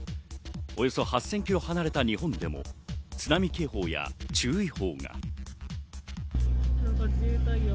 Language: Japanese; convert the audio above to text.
およそ８０００キロ離れた日本でも津波警報や注意報が。